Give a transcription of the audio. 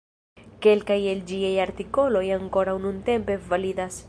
Kelkaj el ĝiaj artikoloj ankoraŭ nuntempe validas.